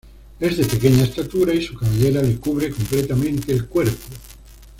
Es de pequeña estatura y su cabellera le cubre completamente el cuerpo.